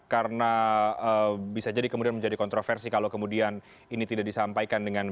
karena bisa jadi kemudian menjadi kontroversi kalau kemudian ini tidak disampaikan